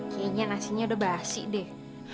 kayaknya nasinya udah basi deh